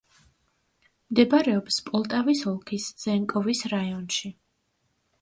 მდებარეობს პოლტავის ოლქის ზენკოვის რაიონში.